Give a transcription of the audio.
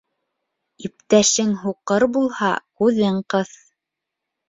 Иптәшең һуҡыр булһа, күҙең ҡыҫ.